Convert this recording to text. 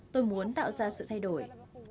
tôi muốn tạo ra sự thay đổi